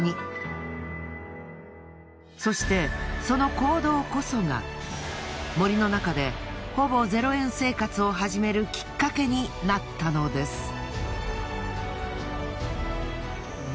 そしてその行動こそが森の中でほぼ０円生活を始めるきっかけになったのです。